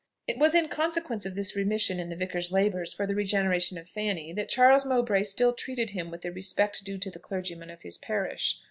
It was in consequence of this remission in the vicar's labours for the regeneration of Fanny, that Charles Mowbray still treated him with the respect due to the clergyman of his parish.